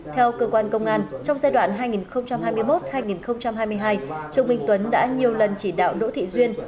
theo cơ quan công an trong giai đoạn hai nghìn hai mươi một hai nghìn hai mươi hai trương minh tuấn đã nhiều lần chỉ đạo đỗ thị duyên